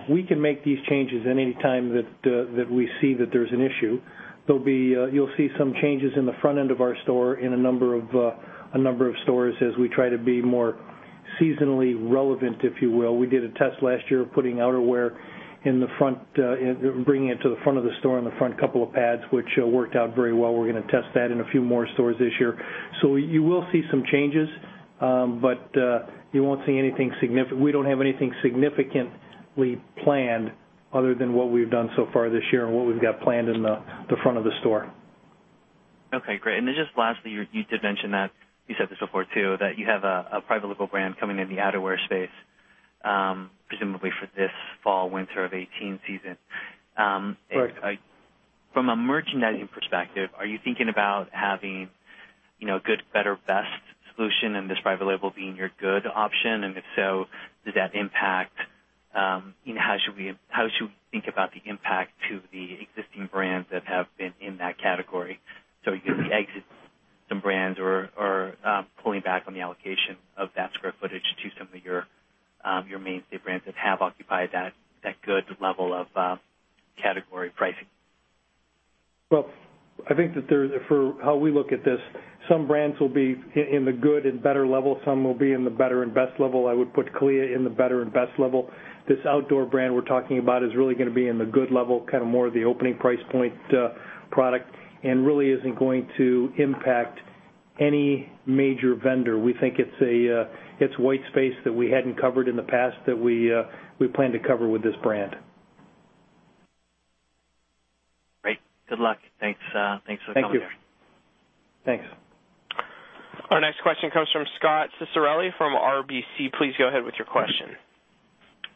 We can make these changes at any time that we see that there's an issue. You'll see some changes in the front end of our store in a number of stores as we try to be more seasonally relevant, if you will. We did a test last year of putting outerwear and bringing it to the front of the store in the front couple of pads, which worked out very well. We're going to test that in a few more stores this year. You will see some changes. We don't have anything significantly planned other than what we've done so far this year and what we've got planned in the front of the store. Okay, great. Just lastly, you did mention that, you said this before, too, that you have a private label brand coming in the outerwear space, presumably for this fall winter of 2018 season. Right. From a merchandising perspective, are you thinking about having good, better, best solution and this private label being your good option? If so, how should we think about the impact to the existing brands that have been in that category? You exit some brands or pulling back on the allocation of that square footage to some of your mainstay brands that have occupied that good level of category pricing. I think that for how we look at this, some brands will be in the good and better level. Some will be in the better and best level. I would put CALIA in the better and best level. This outdoor brand we're talking about is really going to be in the good level, kind of more of the opening price point product, and really isn't going to impact any major vendor. We think it's white space that we hadn't covered in the past that we plan to cover with this brand. Great. Good luck. Thanks for coming here. Thank you. Thanks. Our next question comes from Scot Ciccarelli from RBC. Please go ahead with your question.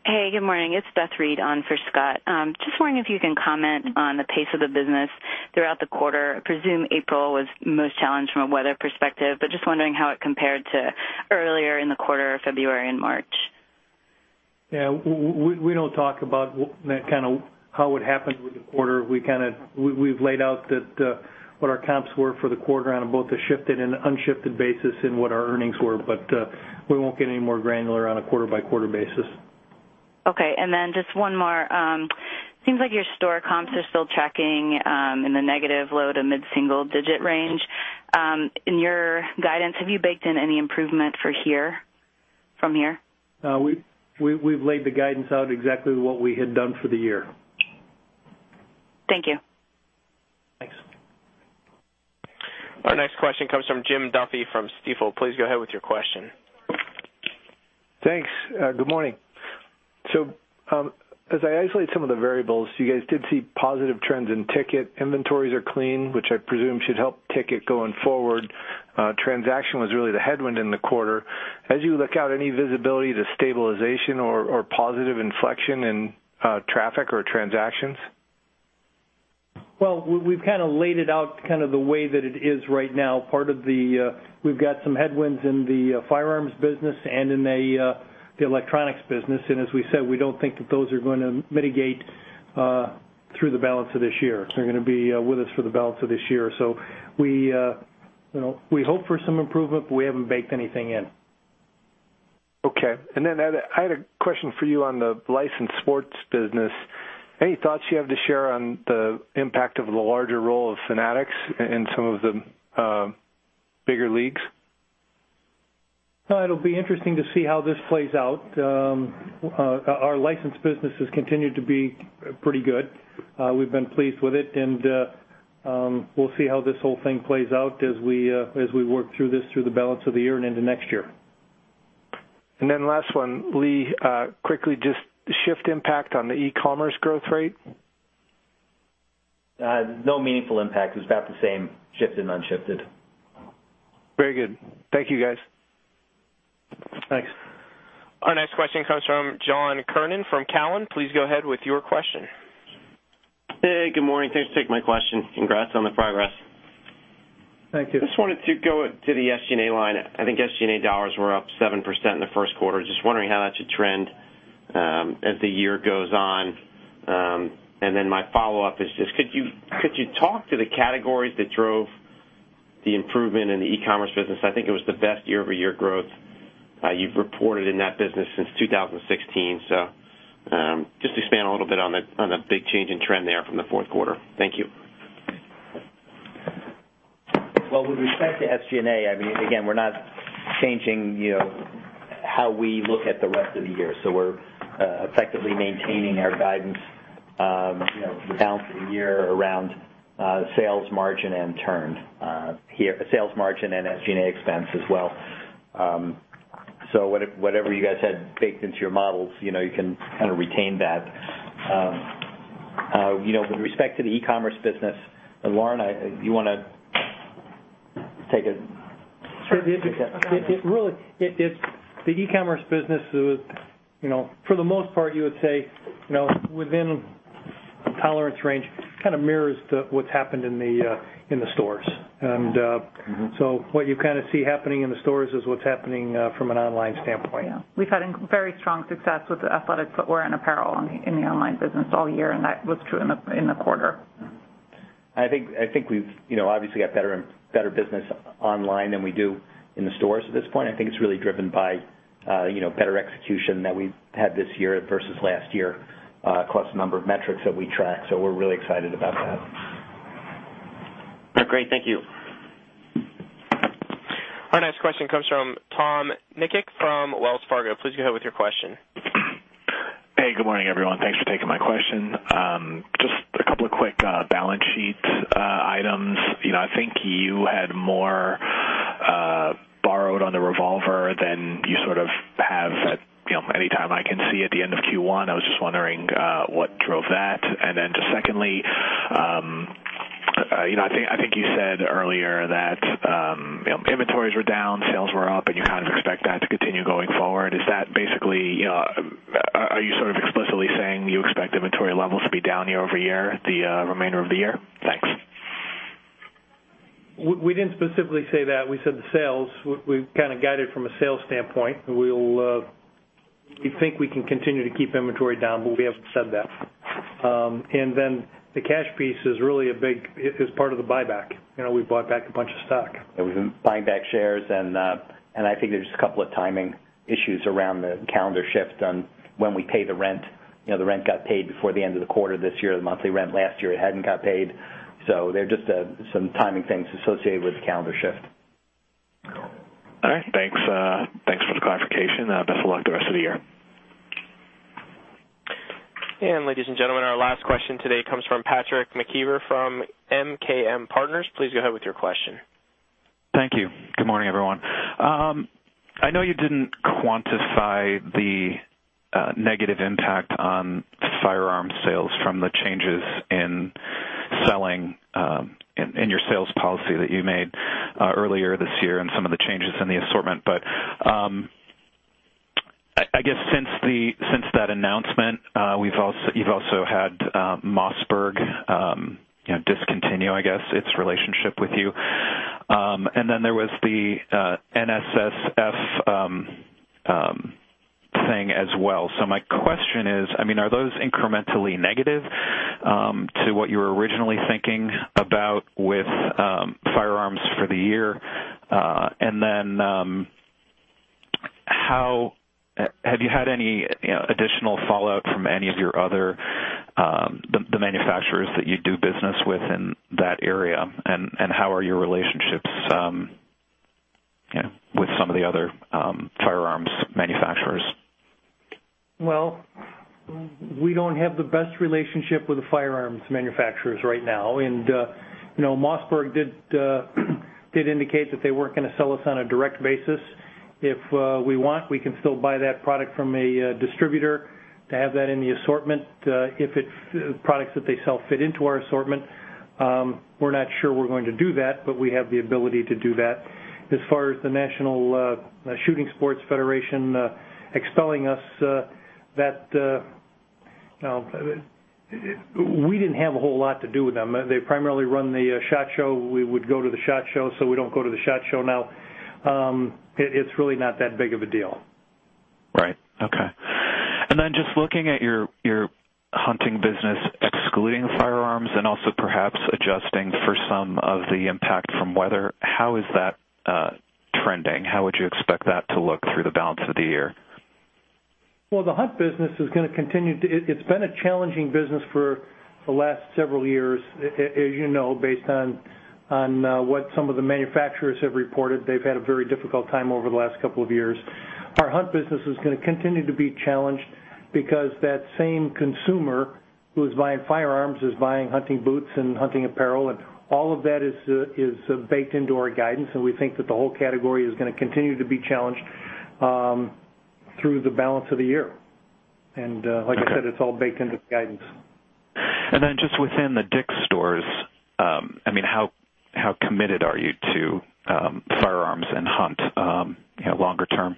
Hey, good morning. It's Beth Reed on for Scott. Wondering if you can comment on the pace of the business throughout the quarter. I presume April was most challenged from a weather perspective, wondering how it compared to earlier in the quarter, February and March. Yeah. We don't talk about how it happened with the quarter. We've laid out what our comps were for the quarter on both the shifted and unshifted basis and what our earnings were. We won't get any more granular on a quarter-by-quarter basis. Okay. One more. Seems like your store comps are still tracking in the negative low to mid-single-digit range. In your guidance, have you baked in any improvement from here? We've laid the guidance out exactly what we had done for the year. Thank you. Thanks. Our next question comes from Jim Duffy from Stifel. Please go ahead with your question. Thanks. Good morning. As I isolate some of the variables, you guys did see positive trends in ticket. Inventories are clean, which I presume should help ticket going forward. Transaction was really the headwind in the quarter. As you look out, any visibility to stabilization or positive inflection in traffic or transactions? We've kind of laid it out the way that it is right now. We've got some headwinds in the firearms business and in the electronics business. As we said, we don't think that those are going to mitigate through the balance of this year. They're going to be with us for the balance of this year. We hope for some improvement, but we haven't baked anything in. Okay. I had a question for you on the licensed sports business. Any thoughts you have to share on the impact of the larger role of Fanatics in some of the bigger leagues? It'll be interesting to see how this plays out. Our license business has continued to be pretty good. We've been pleased with it, and we'll see how this whole thing plays out as we work through this through the balance of the year and into next year. Last one, Lee, quickly, just shift impact on the e-commerce growth rate. No meaningful impact. It was about the same, shifted, unshifted. Very good. Thank you, guys. Thanks. Our next question comes from John Kernan from Cowen. Please go ahead with your question. Hey, good morning. Thanks for taking my question. Congrats on the progress. Thank you. Just wanted to go to the SG&A line. I think SG&A dollars were up 7% in the first quarter. Just wondering how that should trend as the year goes on. My follow-up is, could you talk to the categories that drove the improvement in the e-commerce business? I think it was the best year-over-year growth you've reported in that business since 2016. Expand a little bit on the big change in trend there from the fourth quarter. Thank you. Well, with respect to SG&A, again, we're not changing how we look at the rest of the year. We're effectively maintaining our guidance for the balance of the year around sales margin and turn. Sales margin and SG&A expense as well. Whatever you guys had baked into your models, you can retain that. With respect to the e-commerce business, Lauren, you want to take it? Sure. The e-commerce business, for the most part, you would say, within tolerance range, kind of mirrors what's happened in the stores. What you kind of see happening in the stores is what's happening from an online standpoint. We've had very strong success with the athletic footwear and apparel in the online business all year, and that was true in the quarter. I think we've obviously got better business online than we do in the stores at this point. I think it's really driven by better execution that we've had this year versus last year, plus a number of metrics that we track. We're really excited about that. Great. Thank you. Our next question comes from Tom Nikic from Wells Fargo. Please go ahead with your question. Hey, good morning, everyone. Thanks for taking my question. Just a couple of quick balance sheet items. I think you had more borrowed on the revolver than you sort of have any time I can see at the end of Q1. I was just wondering what drove that. Just secondly, I think you said earlier that inventories were down, sales were up, and you kind of expect that to continue going forward. Are you sort of explicitly saying you expect inventory levels to be down year-over-year, the remainder of the year? Thanks. We didn't specifically say that. We said the sales. We've kind of guided from a sales standpoint. We think we can continue to keep inventory down, but we haven't said that. Then the cash piece is part of the buyback. We bought back a bunch of stock. We've been buying back shares, and I think there's a couple of timing issues around the calendar shift on when we pay the rent. The rent got paid before the end of the quarter this year. The monthly rent last year hadn't got paid. There are just some timing things associated with the calendar shift. All right. Thanks for the clarification. Best of luck the rest of the year. Ladies and gentlemen, our last question today comes from Patrick McKeever from MKM Partners. Please go ahead with your question. Thank you. Good morning, everyone. I know you didn't quantify the negative impact on firearm sales from the changes in -selling in your sales policy that you made earlier this year and some of the changes in the assortment. I guess since that announcement, you've also had Mossberg discontinue, I guess, its relationship with you. There was the NSSF thing as well. My question is, are those incrementally negative to what you were originally thinking about with firearms for the year? Have you had any additional fallout from any of the manufacturers that you do business with in that area? How are your relationships with some of the other firearms manufacturers? Well, we don't have the best relationship with the firearms manufacturers right now. Mossberg did indicate that they weren't going to sell us on a direct basis. If we want, we can still buy that product from a distributor to have that in the assortment, if products that they sell fit into our assortment. We're not sure we're going to do that, but we have the ability to do that. As far as the National Shooting Sports Foundation expelling us, we didn't have a whole lot to do with them. They primarily run the SHOT Show. We would go to the SHOT Show, so we don't go to the SHOT Show now. It's really not that big of a deal. Right. Okay. Just looking at your hunting business, excluding firearms and also perhaps adjusting for some of the impact from weather, how is that trending? How would you expect that to look through the balance of the year? Well, the hunt business, it's been a challenging business for the last several years. As you know, based on what some of the manufacturers have reported, they've had a very difficult time over the last couple of years. Our hunt business is going to continue to be challenged because that same consumer who is buying firearms is buying hunting boots and hunting apparel, and all of that is baked into our guidance, and we think that the whole category is going to continue to be challenged through the balance of the year. Okay. Like I said, it's all baked into the guidance. Just within the DICK'S stores, how committed are you to firearms and hunt longer-term?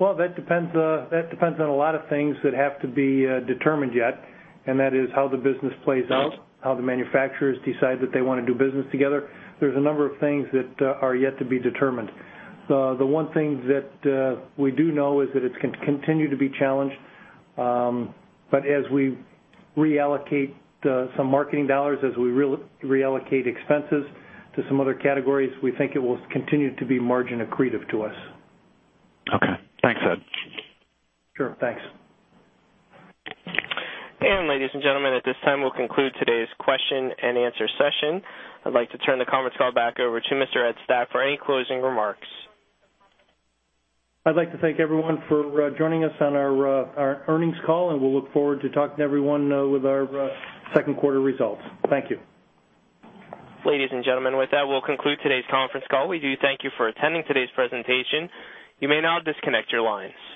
Well, that depends on a lot of things that have to be determined yet, and that is how the business plays out. Right how the manufacturers decide that they want to do business together. There's a number of things that are yet to be determined. The one thing that we do know is that it's going to continue to be challenged. As we reallocate some marketing dollars, as we reallocate expenses to some other categories, we think it will continue to be margin accretive to us. Okay. Thanks, Ed. Sure. Thanks. Ladies and gentlemen, at this time, we'll conclude today's question and answer session. I'd like to turn the conference call back over to Mr. Ed Stack for any closing remarks. I'd like to thank everyone for joining us on our earnings call. We'll look forward to talking to everyone with our second quarter results. Thank you. Ladies and gentlemen, with that, we'll conclude today's conference call. We do thank you for attending today's presentation. You may now disconnect your lines.